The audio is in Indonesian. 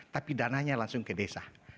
tapi dananya langsung ke desa